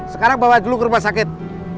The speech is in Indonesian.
sekarang bawa dulu ke rumah sakit